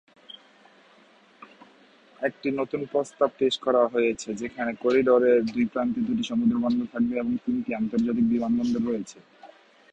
একটি নতুন প্রস্তাব পেশ করা হয়েছে যেখানে করিডোরের দুই প্রান্তে দুটি সমুদ্র বন্দর থাকবে এবং তিনটি আন্তর্জাতিক বিমানবন্দর রয়েছে।